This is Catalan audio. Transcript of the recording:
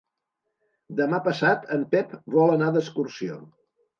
Demà passat en Pep vol anar d'excursió.